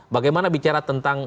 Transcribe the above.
bagaimana bicara tentang